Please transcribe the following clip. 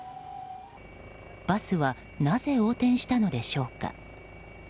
バスはなぜ横転したのでしょうか。